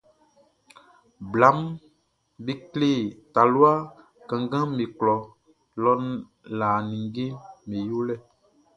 Blaʼm be kle talua kannganʼm be klɔ lɔ lã ninngeʼm be yolɛ.